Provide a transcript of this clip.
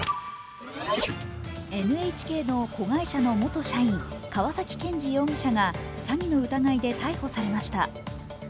ＮＨＫの子会社の元社員、川崎健治容疑者が詐欺の疑いで逮捕されました。